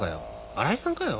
荒井さんかよ